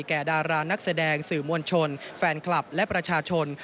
ดารานักแสดงสื่อมวลชนแฟนคลับและประชาชน